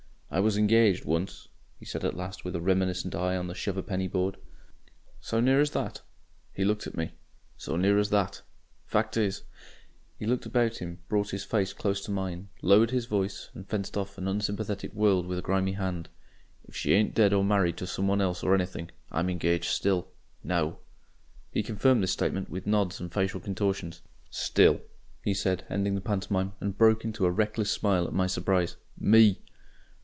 "I was engaged once," he said at last, with a reminiscent eye on the shuv a'penny board. "So near as that?" He looked at me. "So near as that. Fact is " He looked about him, brought his face close to mine, lowered his voice, and fenced off an unsympathetic world with a grimy hand. "If she ain't dead or married to some one else or anything I'm engaged still. Now." He confirmed this statement with nods and facial contortions. "STILL," he said, ending the pantomime, and broke into a reckless smile at my surprise. "ME!"